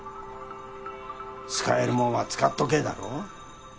「使えるもんは使っとけ」だろ？